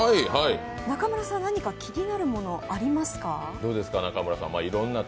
中村さん、何か気になるものありますか？